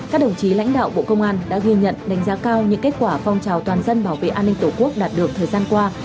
các đồng chí lãnh đạo bộ công an đã ghi nhận đánh giá cao những kết quả phong trào toàn dân bảo vệ an ninh tổ quốc đạt được thời gian qua